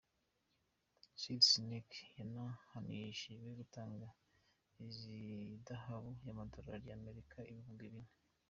Seedy Kinteh yanahanishijwe gutanga ihadabu y'amadolari ya Amerika ibihumbi bine.